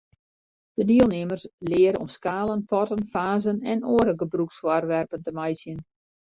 De dielnimmers leare om skalen, potten, fazen en oare gebrûksfoarwerpen te meitsjen.